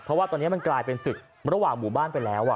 เพราะว่าตอนนี้มันกลายเป็นศึกระหว่างหมู่บ้านไปแล้ว